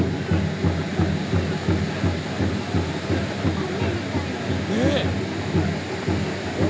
雨みたいな。